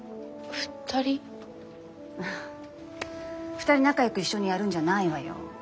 ２人仲よく一緒にやるんじゃないわよ。